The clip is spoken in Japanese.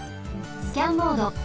スキャンモード。